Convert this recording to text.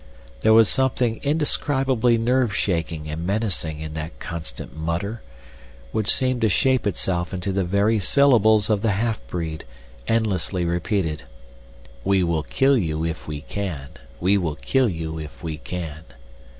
There was something indescribably nerve shaking and menacing in that constant mutter, which seemed to shape itself into the very syllables of the half breed, endlessly repeated, "We will kill you if we can. We will kill you if we can."